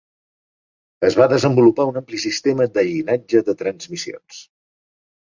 Es va desenvolupar un ampli sistema de llinatge de transmissions.